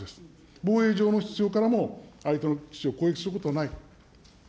防衛上の必要からも、相手の基地を攻撃することはないと。